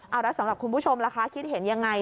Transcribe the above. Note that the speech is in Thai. เอาแล้วสำหรับคุณผู้ชมล่ะคะคิดเห็นยังไง